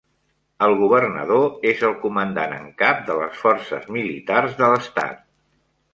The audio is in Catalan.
El governador és el comandant en cap de les forces militars de l'estat.